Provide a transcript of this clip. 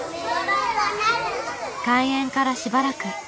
開園からしばらく。